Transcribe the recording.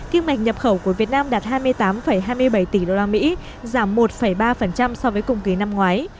kim ngạch nhập khẩu của việt nam đạt hai mươi tám hai mươi bảy tỷ usd giảm một ba so với cùng kỳ năm ngoái